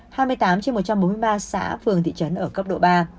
hai mươi tám trên một trăm bốn mươi ba xã phường thị trấn ở cấp độ ba